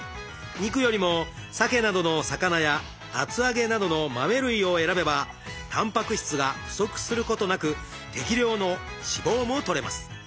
肉よりもさけなどの魚や厚揚げなどの豆類を選べばたんぱく質が不足することなく適量の脂肪もとれます。